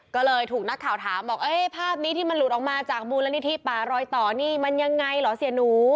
ก็เลยถูกนักข่าวถามบอกภาพนี้ที่มันหลุดออกมาจากมูลนิธิป่ารอยต่อนี่มันยังไงเหรอเสียหนู